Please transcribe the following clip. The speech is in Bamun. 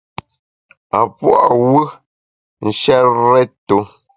A pua’ wù nshèt rèt-tu.